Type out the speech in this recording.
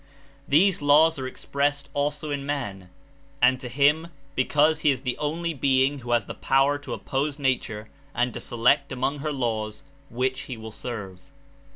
These laws are expressed also in man, and to him because he is the only being who has the power to oppose nature and to select among her laws which he will serve.